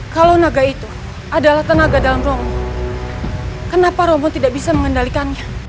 kalau naga itu adalah tenaga dalam rombo kenapa romo tidak bisa mengendalikannya